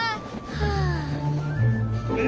はあ。